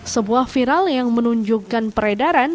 sebuah viral yang menunjukkan peredaran